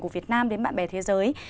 của việt nam đến bạn bè thế giới